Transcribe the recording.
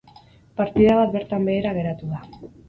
Partida bat bertan behera geratu da.